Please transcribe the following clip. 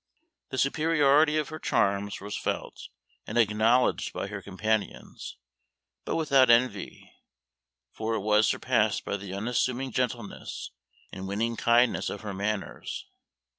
The superiority of her charms was felt and acknowledged by her companions, but without envy, for it was surpassed by the unassuming gentleness and winning kindness of her manners.